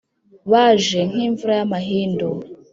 Baje nk’imvura y’amahindu